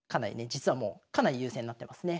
実はもうかなり優勢になってますね。